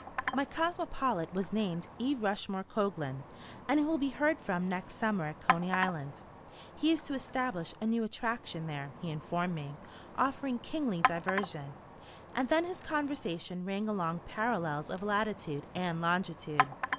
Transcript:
My cosmopolite was named E. Rushmore Coglan, and he will be heard from next summer at Coney Island. He is to establish a new "attraction" there, he informed me, offering kingly diversion. And then his conversation rang along parallels of latitude and longitude.